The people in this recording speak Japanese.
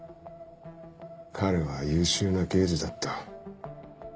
彼は優秀な刑事だった。